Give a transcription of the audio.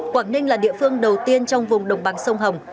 quảng ninh là địa phương đầu tiên trong vùng đồng bằng sông hồng